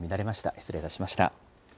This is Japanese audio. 失礼いたしました。